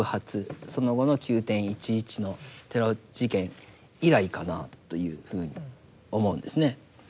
その後の９．１１のテロ事件以来かなというふうに思うんですね。